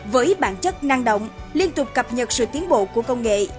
với bản chất năng động liên tục cập nhật sự tiến bộ của công nghệ